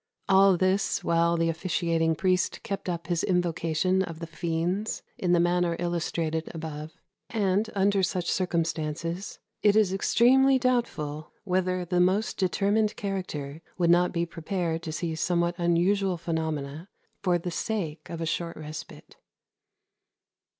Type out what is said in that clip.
All this while the officiating priest kept up his invocation of the fiends in the manner illustrated above; and, under such circumstances, it is extremely doubtful whether the most determined character would not be prepared to see somewhat unusual phenomena for the sake of a short respite.